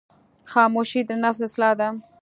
خاموشي، د نفس اصلاح ده.